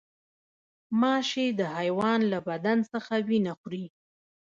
غوماشې د حیوان له بدن هم وینه خوري.